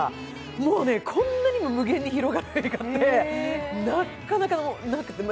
もうね、こんなにも無限に広がる映画ってなかなかなくて。